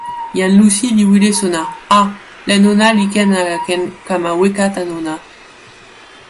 "jan Lusi li wile sona: "a, len ona li ken ala ken kama weka tan ona?"